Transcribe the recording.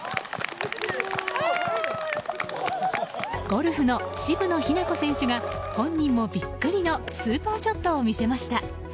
ゴルフの渋野日向子選手が本人もビックリのスーパーショットを見せました。